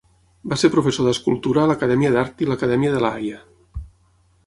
Va ser professor d'escultura a l'Acadèmia d'Art i l'Acadèmia de La Haia.